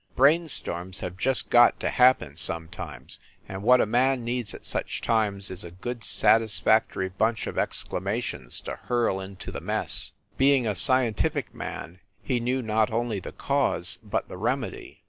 Brain storms have just got to happen, sometimes, and what a man needs at such times is a good, satisfac tory bunch of exclamations to hurl into the mess. Being a scientific man he knew not only the cause, but the remedy.